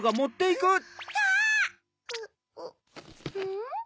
ん？